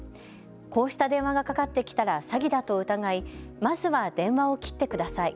こうした電話がかかってきたら詐欺だと疑いまずは電話を切ってください。